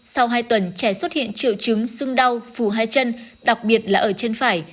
sau hai tuần trẻ xuất hiện triệu chứng sưng đau phù hai chân đặc biệt là ở chân phải